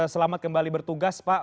selamat kembali bertugas pak